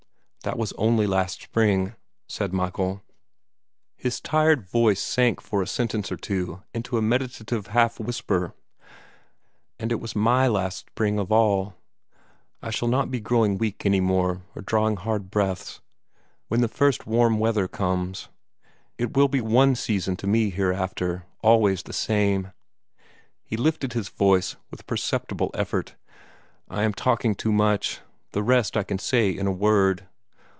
"That was only last spring," said Michael. His tired voice sank for a sentence or two into a meditative half whisper. "And it was MY last spring of all. I shall not be growing weak any more, or drawing hard breaths, when the first warm weather comes. It will be one season to me hereafter, always the same." He lifted his voice with perceptible effort. "I am talking too much. The rest I can say in a word.